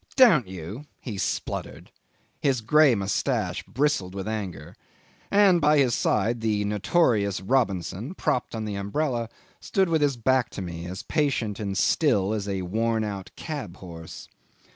"Don't you?" he spluttered; his grey moustache bristled with anger, and by his side the notorious Robinson, propped on the umbrella, stood with his back to me, as patient and still as a worn out cab horse.